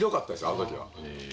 あの時は。